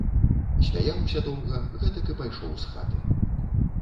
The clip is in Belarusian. Смяяўся доўга, гэтак і пайшоў з хаты.